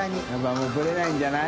もうブレないんじゃない？